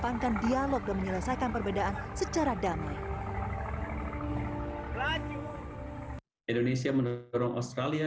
diadakan dialog dan menyelesaikan perbedaan secara damai indonesia menurut perang australia